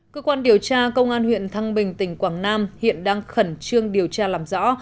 cơ quan điều tra công an huyện thăng bình tỉnh quảng nam hiện đang khẩn trương điều tra làm rõ